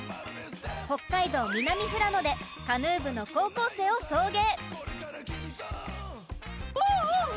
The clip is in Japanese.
北海道・南富良野でカヌー部の高校生を送迎。